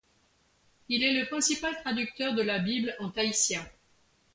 Il est le principal traducteur de la Bible en tahitien.